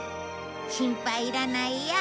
心配いらないよ。